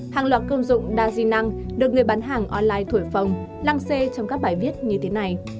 hàng loạt công dụng đa di năng được người bán hàng online thổi phòng lăng xê trong các bài viết như thế này